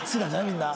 みんな。